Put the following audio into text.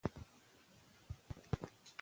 تعلیم د ماشومانو د ودونو د ځنډ سبب کېږي.